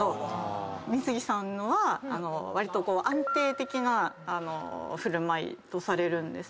美月さんのはわりと安定的な振る舞いとされるんですね。